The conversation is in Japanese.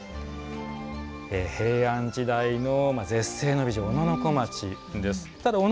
平安時代の絶世の美女小野小町です。